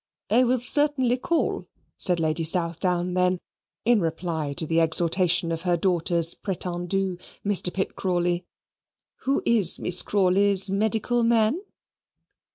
"I will certainly call," said Lady Southdown then, in reply to the exhortation of her daughter's pretendu, Mr. Pitt Crawley "Who is Miss Crawley's medical man?"